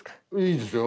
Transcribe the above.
いいですよ。